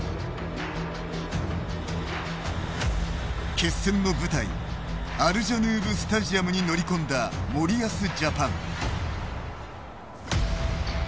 決戦の舞台アルジャヌーブ・スタジアムに乗り込んだ森保ジャパン。